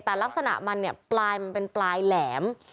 แต่ลักษณะมันปลายเป็นปลายแหลม